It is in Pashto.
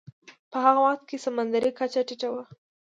په هغه وخت کې سمندرې کچه ټیټه وه.